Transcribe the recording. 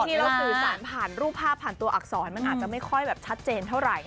ที่เราสื่อสารผ่านรูปภาพผ่านตัวอักษรมันอาจจะไม่ค่อยแบบชัดเจนเท่าไหร่